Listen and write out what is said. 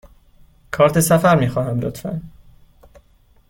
کارت سفر می خواهم، لطفاً.